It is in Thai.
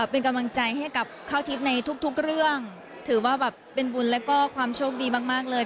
เป็นกำลังใจให้กับข้าวทิพย์ในทุกทุกเรื่องถือว่าแบบเป็นบุญแล้วก็ความโชคดีมากเลย